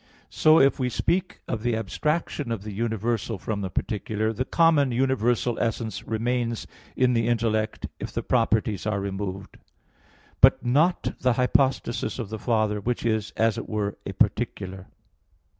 So, if we speak of the abstraction of the universal from the particular, the common universal essence remains in the intellect if the properties are removed; but not the hypostasis of the Father, which is, as it were, a particular.